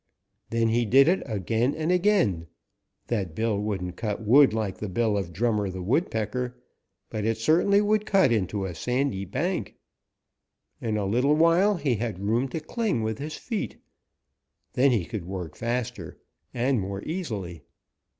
Then he did it again and again. That bill wouldn't cut wood like the bill of Drummer the Woodpecker, but it certainly would cut into a sandy bank. In a little while he had room to cling with his feet. Then he could work faster and more easily.